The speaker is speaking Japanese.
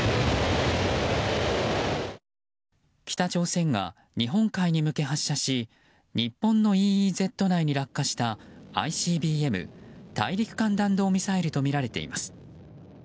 北朝鮮が日本海に向け発射し日本のＥＥＺ内に落下したＩＣＢＭ・大陸間弾道ミサイルとみられています。